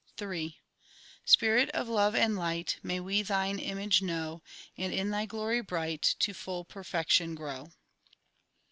III Spirit of love and light, May we Thine image know, And in Thy glory bright, To full perfection grow.